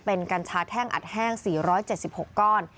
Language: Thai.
เป็นกัญชาแท่งอัดแห้ง๔๗๖ก้อน